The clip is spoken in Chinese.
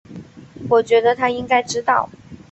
我觉得他应该知道